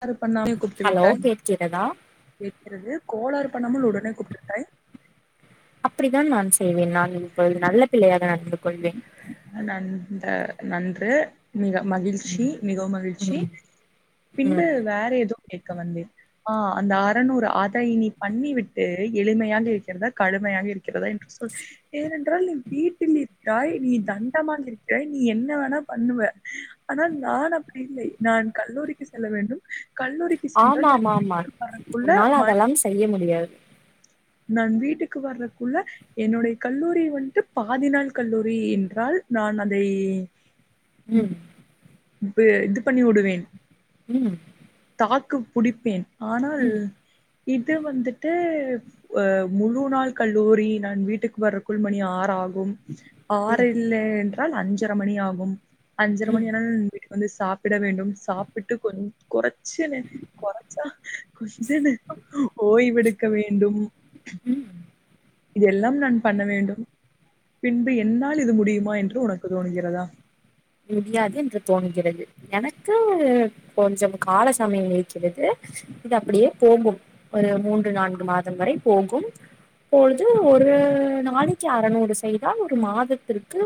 யாரு பண்ணாணு ஹலோ குடுத்துவிட்டே கேட்கிறதா கேக்கிறது கோளாறு பண்ணாம உடனே குடுத்துவிட்டாய் அப்படித்தான் நான் செய்வேன் நான் இப்பொழுது நல்ல பிள்ளையாக நடந்து கொள்வேன் நந்த நன்று மிக மகிழ்ச்சி மிகவு மகிழ்ச்சி ம் பின்பு ம் வேற எதோ கேக்க வந்தேன் ஆஹ் அந்த அறநூறு அத இனி பண்ணி விட்டு எளிமையாக இருக்கிறத கழ எளிமையாக இருக்கிறதா என்று சொல் ஏனென்றால் என் வீட்டில் என் தாய் நீதி தண்டமா இருக்கிற நீ என்ன வேணா பண்ணுவ ஆனா நான் அப்படி இல்லை நான் கல்லூரிக்கு செல்ல வேண்டும் கல்லூரிக்கு சென்றால் ஆமாம் ஆமாம் நான் உள்ள உன்னால் மண் அதெல்லாம் செய்ய முடியாது நான் வீட்டுக்கு வர்றக்குள்ள என்னுடைய கல்லூரி வன்ட்டு பாதி நாள் கல்லூரி என் என்றால் நான் அதை உம் இப்ப இது பண்ணி உடுவேன் உம் தாக்கு புடிப்பேன் ஆனால் இது வந்துட்டு அ முழு நாள் கல்லூரி நான் வீட்டுக்கு வர்றக்குள் மணி ஆற ஆகு ஆகும் ஆறு ம் இல்லை என்றால் அஞ்சரை மணி ஆகும் அஞ்சரை ம் மணினா வந்து சாப்பிட வேண்டும் சாப்பிட்டு கொஞ் குறை கொஞ்சன்னு குறைச்சா கொஞ்சன்னு ஓய்வெடுக்க வேண்டும் ம் இதெல்லாம் நான் பண்ண வேண்டும் பின்பு என்னால் இது முடியுமா என்று உனக்கு தோணுகிறதா முடியாது என்று தோணுகிறது எனக்கு கொஞ்சம் கால சமயம் இருக்கிறது இது அப்படியே போகும் ஒரு மூன்று நான்கு மாதம் வரை போகும் இப்பொழுது ஒரு நாளைக்கு அறநூறு செய்தால் ஒரு மாதத்திற்கு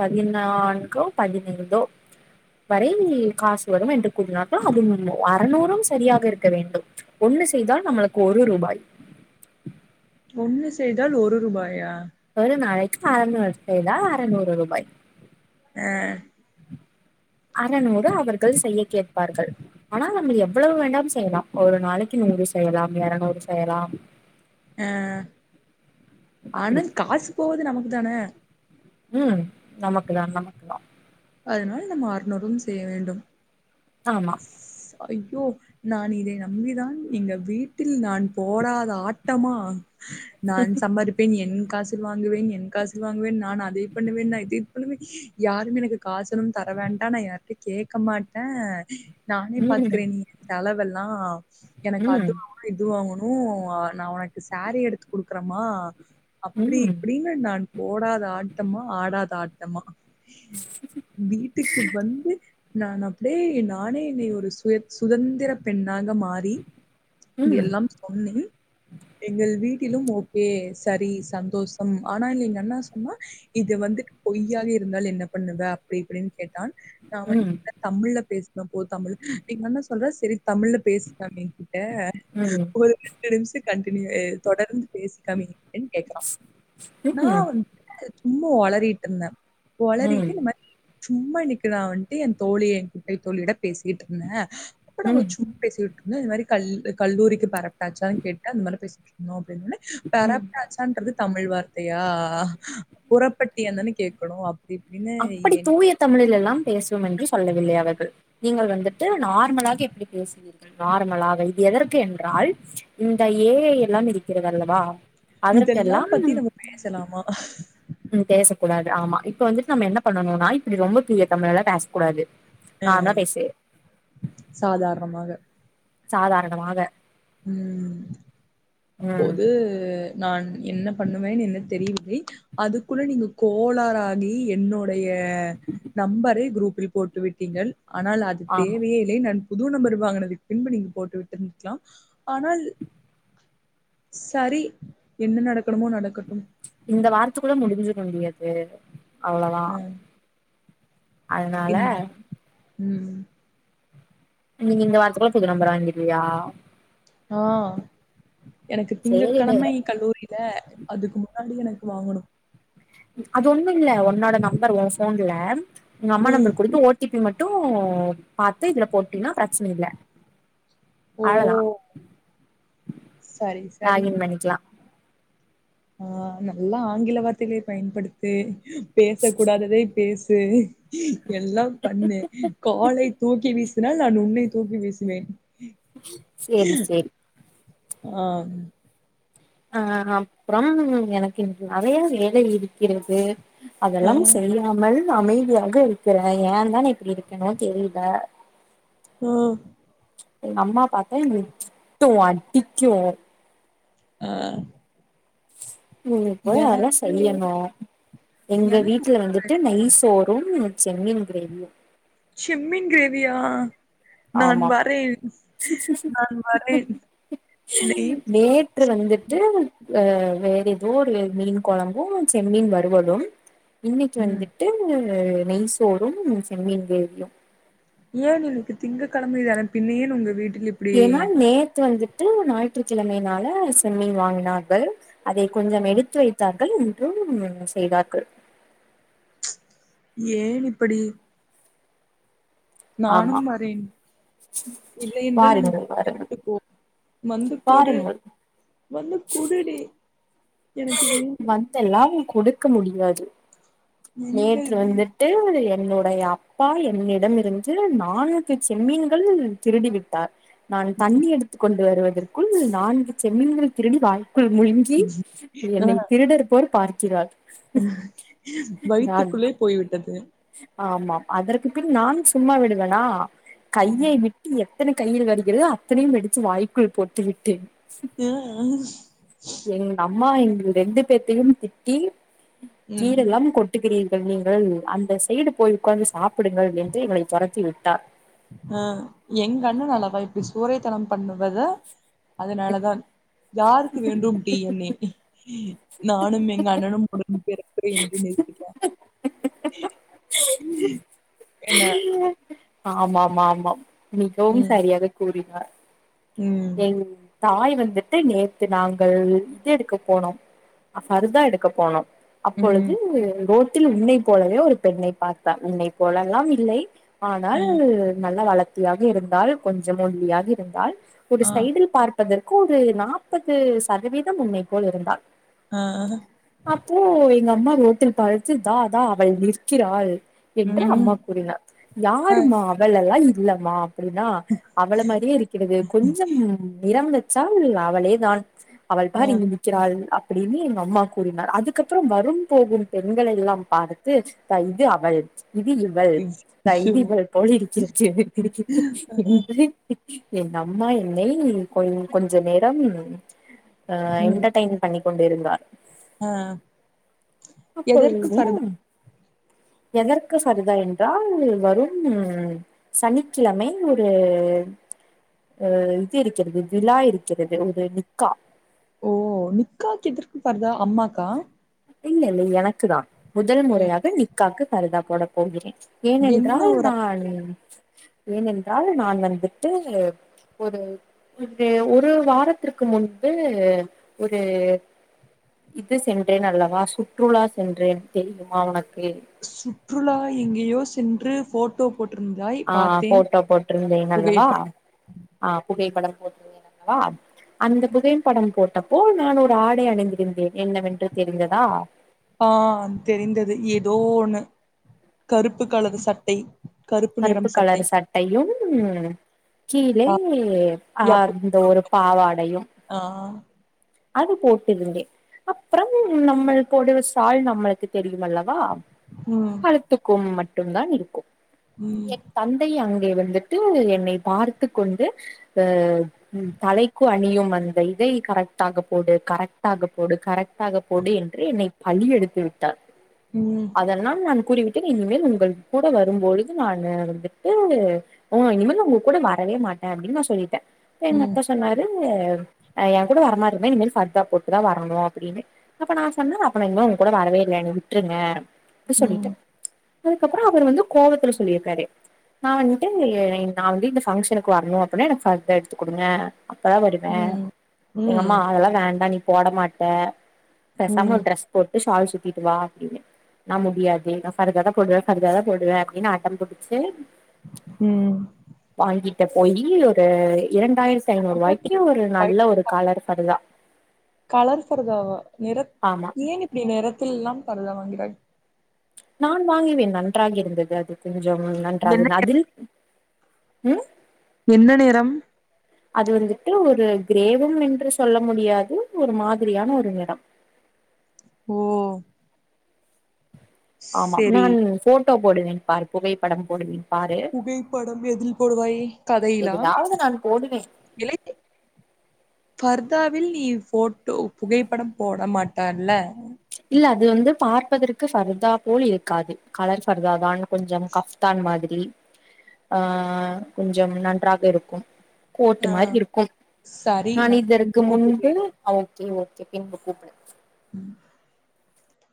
பதினா நான்கோ பதினைந்தோ வரை காசு வரும் என்று கூறினார்கள் அதுவும் அறநூறும் சரியாக இருக்க வேண்டும் ஒன் ஒண்ணு செய்தால் நம்மளுக்கு ஒரு ரூபாய் ஒண்ணு செய்தால் ஒரு ரூபாயா ஒரு நாளைக்கு அறநூறு செய்தா அறநூறு ரூபாய் அஹ் அறநூறு அவர்கள் செய்ய கேட்பார்கள் ஆனா நம்ம எவ்வளவு வேனாலும் செய்யலாம் ஒரு நாளைக்கு நூறு செய்யலாம் இறநூறு செய்யலாம் அஹ்ஹ்ஹ் ஆனா அப்படி காசு போது நமக்கு தானே உம் நமக்குதா நமக்குதா அதனால் நம்ம அறநூறும் செய்ய வேண்டும் ஆமா ஐயோ நான் இதை நம்பிதான் எங்க வீட்டில் நான் போடாத ஆட்டமா நான் சம்பாரிப்பேன் என் காசில் வாங்குவேன் என் காசில் வாங்குவேன் நான் அதை பண்ணுவேன் நான் இதை பண்ணுவேன் யாருமே எனக்கு காசு எதும் தரவேண்டா நான் யார்ட்டையும் கேட்க மாட்டேன் நானே ம் பாத்துக்கிறேன் நீ என் தலவல்ல நா எனக்கு ம் அது வாங்கணு இது வாங்கணும் உ நா உனக்கு சரீ எடுத்து குடுக்குறேமா அப்டி ம் இப்டின்னு நான் போடாத ஆட்டமா ஆடாத ஆட்டமா வீட்டுக்கு வந்து நான் அப்படியே நானே என்னை ஒரு சுய சுதந்திர பெண் நாங்க மாறி ம் இதெல்லாம் சொன்னே எங்கள் வீட்டிலும் ஓகே சரி சந்தோஷம் ஆனா எங்கண்ண சொன்னா இது வந்து பொய்யாக இருந்தால் என்ன பண்ணுவ அப்படி இப்படின்னு கேட்டான் நான் ம் வந்து ம் தமிழ்ல பேச போ தமிழ் எங்க அண்ண சொல்றா செரி தமிழ்ல பேசலாமே எங்கிட்ட ம் ஒரு ரண்டு நிமிஷ கண்டினியூ அ தொடர்ந்து பேசிக்காமி னு கேக்கறா நா ம் வந் சும்மா ஒளறிட்ருந்த ம் ஒளறிட்டு இந்த மா சும்மா இன்னிக்கு நா வன்ட்டு எந் தோழி எ கிட்டை தோழியோட பேசிட்ருந்த அப்ப நாங்க ம் சும்மா பேசிட்ருந்தோ இந்த மாரி கல் கல்லூரிக்கு பரப்டாச்சான் கேட்டு அந்த மாரி பேசிட்ருந்தோ அப்டினொன்னே ம் பெரப்டாச்சான்றது தமிழ் வார்த்தையா புறப்பட்டியான்தான கேக்கணு அப்டி இப்டினு என் தமிழில் எல்லாம் பேசுவும் என்று சொல்லவில்லை அவர்கள் நீங்கள் வந்துட்டு நார்மலாக எப்பிடி பேசுவீர்கள் நார் மலாவை இது எதற்கு என்றால் இந்த ஏ ஐ எல்லாம் இருக்கிறதல்லவா இதெல்லாம் அதற்கெல்லாம் பத்தி நம்ம பேசலாமா? ம் பேச குடாது ஆமா இப்ப வந்துட்டு நம்ம என்ன பண்ணனுனா இப்பிடி ரொம்ப தூய தமிழ்ல எல்லா பேச கூடாது ம் சாதாரணமாக சாதாரணமாக ம் ம் அப்போது நான் என்ன பண்ணுவேன் என்னு தெரியவில்லை அதுக்குள்ள நீங்க கோளாறாகி என்னோட ய நம்பரை குரூப்பில் போட்டுவிட்டிங்கள் ஆனால் அது ஆமா தேவையே இல்லை நான் புது நம்பர் வாங்குனதுக்கு பின்பு நீங்க போட்டு விட்ருந்துக்கலாம் ஆனால் சரி என்ன நடக்கணுமோ நடக்க இந்த வாரத்துக்குள்ள முடிஞ்சுருன்டி அது அவ்ளதா அதனால இன் ம் நீங்க இந்த வாரத்துக்குள்ள புது நம்பர் வாங்கிருவியா ஆ எனக்கு திங்கட் சேரிடு கழமை கல்லூரி ல அதுக்கு முன்னாடி எனக்கு வாங்கணும் அது ஒண்ணு இல்ல உன்னோட நம்பர் ஒ ஃபோன்ல உங்க அம்மா ம். நம்பர் குடுத்து ஓ டி பி மட் ட்டு பாத்து இதுல போட்டினா பிரச்சனை இல்ல ஓ அவளதா சரி சரி லாகின் பண்ணிக்லா ஆ நல்லா ஆங்கில வார்த்தைகளை பயன்படுத்து பேச கூடாததை பேசு எல்லாம் பண்ணு காலை தூக்கி வீசி னால் நான் உன்னை தூக்கி வீசுவேன் செரி செரி ஆ அ அப்றம் எனக்கு நெறையா வேலை இருக்கிறது ஆ அதெல்லாம் செய்யாமல் அமைதியாக இருக்கறே ஏந்தா நா இப்பிடி இருக்கணோ தெரில ஆ எங்க அம்மா பாத்தா என்னய திட்டு அடிக்கு ஆ நீங்க போய் அதெல்லா எனக்கு சொல்லிர்ணு எங்க எனக்கு வீட்டுல ஒரு வந்துட்டு நெய் சோறும் செம்மீன் கிரேவியு செம்மின் கிரேவியா நான் ஆமா வரேன் நான் வரேன் நெய் சோறு நேற்று வந்துட்டு அ வேற எதோ ஒரு மீன் கொழம்பு செம்மீன் வறுவலும் இன்னைக்கு ம் வந்துட்டு நெய்சோறும் செம்மீன் கிரேவியு ஏன் இன்னைக்கு திங்க கிழமை தான பின்ன ஏன் உங்க வீடு ஏன்னா நேத்து வந்துட்டு ஞாயிற்றுக்கிழமைையினால செம்மீன் வாங்கினார்கள் அதை கொஞ்சம் எடுத்து வைத்தார்கள் இன்றும் செய்தார்கள் ஏன் இப்படி ஆமா நானும் வரேன் இல்லை என்றால் எனக்கு வாருங்கள் வாருங்கள் ஊட்டிவிட்டு போ மந்துக்கொடு வாருங்கள் ஒன்னு குடுடி எனக்கு வேண்டும் வந்தெல்லாம் குடுக்க முடியாது நேற்று எங்கள்து வந்துட்டு என்னுடைய அப்பா என்னிடமிருந்து நான்கு செம்மீன்கள் திருடி விட்டார் நான் தண்ணி எடுத்து கொண்டு வருவதற்குள் நான்கு செம்மீன்கள் திருடி வாய் குள் முழுங்கி ஆ என்னை திருடர் போர் பார்க்கிறால் வயித்துக்குள்ளே போய்விட்டது ஆமாம் அதற்கு பின் நான் சும்மா விடுவேனா கையை விட்டு எத்தனை கையில் வருகிறதோ அத்தனையும் எடுத்து வாய்க்குள் போட்டு விட்டு ஏ [inaudible] எங்க அம்மா எங்க ரெண்டு பேத்தையும் திட்டி ம் கீரெல்லாம் கொட் கிறீர்கள் நீங்கள் அந்த சைடு போய் உட்காந்து சாப்பிடுங்கள் என்று எங்களை தொரத்தி விட்டார் அஹ் எங்கண்ணல்லவா இப்டி சோறே தராம பண்ணுவத அதனால தான் யாருக்கு வேண்டும் டி என் ஏ நானும் எங்க அண்ணனும் [unintelligible] என்ன ஆமாமா ஆமாம் மிகவும் ம் சரியாக கூறினார் ம் என் தாய் வந்துட்டு நேத்து நாங்கள் இது எடுக்க போனோம் ஃபர்தா எடுக்க போனோம் அப்பொழுது ம் ரோ உன்னை போலவே ஒரு பெண்ணை பார்த்தா உன்னை போலல்லாம் இல்லை ஆ ஆனால் நல்லா வளர்த்தியாக இருந்தால் கொஞ்சம் ஒல்லியாக இருந்தால் ஒரு ஆ சைடில் பார்ப்பதற்கு ஒரு நாப்பது சதவீதம் உன்னைப்போல் இருந்தாள் ஆ அப்போ எங்க அம்மா ரோட்டில் பாத்து தாதா அவள் நிற்கிறாள் என்று ம் அம்மா கூறினார் ஆ யாருமா அவளெல்லா இல்லமா அப்டின்னா அவள மாறியே இருக்கிறது கொஞ்சம் நிறம் வச்சால் அவளே தான் அவள் ஆ பாரு இங்க நிற்கிறாள் அப்டின்னு எங்க அம்மா கூறினார் அதுக்கப்பறோம் வரும் போகும் பெண்களை எல்லாம் பார்த்து த இது அவள் இது இவள் அச்சச்சோ [unintelligible] இவள் போல [unintelligible] என் அம்மா என்னை கொ கொஞ்ச நேரம் அஹ் ம் என்டர்டைன் பண்ணி கொண்டு இருந்தார் ஆ அப் எதற்கு ஃபர்தா [unintelligible] எதற்கு சரிதா என்றால் வரும் சனிக்கிழமை ஒரு அஹ் இது இருக்கிறது விழா இருக்கிறது ஒரு நிக்கா ஓ நிக்காக்கு எதற்கு பர்தா அம்மாக்கா இல்ல இல்ல எனக்குதான் முதல் ம் முறையாக நிக்காக்கு பருதா போட போகிறேன் என்ன ஏனென்றால் ஒரு நான் ஏனென்றால் நான் வந்துட்டு ஒரு ஒரு ஒரு வாரத்திற்கு முன்பு ஒரு இது சென்றேன் அல்லவா சுற்றுலா சென்றேன் தெரியுமா உனக் சுற்றுலா எங்கேயோ சென்று ஃபோட்டோ ஆஹ் ஃபோட்டோ போட்டிருந்தேன் அல்லவா புகைப்ப ஆஹ் புகைப்படம் அந்த புகைபடம் போட்ட போல் நான் ஒரு ஆடை அணிந்திருந்தேன் என்னவென்று தெரிந்ததா ஆஹ் தெரிந்தது ஏதோ ஒண்ணு கருப்பு கலரு சட்டை கருப்பு நிறம் சட்டை கலர் சட்டையும் கீழே ஆ அ எப் அந்த ஒரு பாவாடையும் ஆ அது போட்டிருந்தே அப்றம் நம்மல் போடுற சால் நம்ளுக்கு தெரி யுமல்லவா ம் கழுத்துக்கும் மட்டும் தான் இருக்கும் ம் என் தந்தைய அங் கே வந்துட்டு என்னை பார்த்து கொண்டு அ ம் தலைக்கு அணியும் அந்த இ கரெக்டாக போடு கரெக்டாக ஆக போடு கரெக்டாக ஆக போடு என்று என்னை பழி எடுத்து விட் ட ம் அதெல்லாம் நான் கூறிவிட்டேன் இனிமேல் உங்கள் கூட வரும் பொழுது நானு வந்துட்டு ம் இனிமேல் உங்க கூட வர வே மாட்டே அப்டின்னு நா சொல்லிட்டே என் ம் அக்கா சொன்னாரு அ எ கூட வரமார [unintelligible] இனிமே ஃப்ர்த்தா போட்டுதா வரணு அப்டின்னு அப்ப நா சொன்ன அப்ப நா இனிமேல் உங்க கூட வரவே இல்லை என்ன விட்டுருங்க அப்டி ம் சொல்லிட்டே அதுக்கப்புற அவரு வந்து கோவத்துல சொல்லியிருக்காரு நா வந்ட்டு நா வந்து இந்த ஃபங்க்ஷனுக்கு வரணு அப்டின்னா எனக்கு ஃப்ர்தா எடுத்துக் குடுங்க அப்பதா வருவே ம் ம் எங்கம்மா அதெல்லா வேண்டா நீ போட மாட்ட பேசாம ம் ட்ரெஸ் போட்டு ஷால்ஸ் சுத்திட்டு வா அப்டின்னு நா முடியாது நா ஃப்ர்தாத தா போடுவே ஃப்ர்தாத தா போடுவே அப்டின்னு அடம் புடிச்சு ம் ட்ட போயி ஒரு இரண்டாயிரத்தி ஐநூறு ரூவாய்க்கு ஒரு நல்ல ஒரு கலர் கலர் ஃப்ர்தாவா நிற ஆமா ஏன் இப்டி நிறத்திலெல்லாம் ஃப்ர்தா வாங்கிர நானும் வாங்குவேன் நன்றாக இருந்தது அது கொஞ்சம் நன்றாக என்ன அதில் ம் என்ன நிறம் அது வந்துட்டு ஒரு கிரேவும் என்று சொல்ல முடியாது ஒரு மாதிரியான ஒரு நிறம் ஓ ஆமாம் செரி நான் ஃபோட்டோ போடுவேன் பார் புகைப்படம் போடுவேன் பாரு புகைப்படம் எதில் போடுவாய் கதையிலா எதுலாவது நான் போடுவேன் இலை ஃப்ர் த்தாவில் நீ ஃபோட்டோ புகைப்படம் போட மாட்டால்ல இல்ல அது வந்து பார்ப்பதற்கு ஃப்ர்தா போல் இருக்காது கலர் ஃப்ர்தாதான் கொஞ்சம் கஃப்தான் மாதிரி ஆ கொஞ்சம் நன்றாக இருக்கும் கோட் ஆ மாரி இருக்கும் சரி நான் இதற்கு பின்பு முன்பு கூப்பிடுறேன் அ ஓகே ஒ செக்கின்க்கு கூப்புடு ம்